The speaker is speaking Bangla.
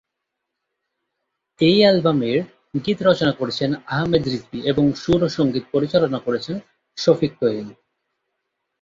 এই অ্যালবামের গীত রচনা করেছেন আহমেদ রিজভী এবং সুর ও সঙ্গীত পরিচালনা করেছেন শফিক তুহিন।